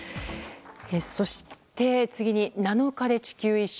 そして、次に７日で地球一周